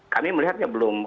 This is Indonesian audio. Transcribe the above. kami melihatnya belum